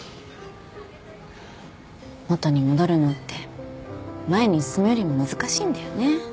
元に戻るのって前に進むよりも難しいんだよね。